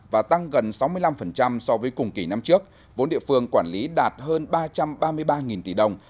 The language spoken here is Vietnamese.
và tăng gần sáu mươi năm so với cùng kỳ năm trước vốn địa phương quản lý đạt hơn ba trăm ba mươi ba tỷ đồng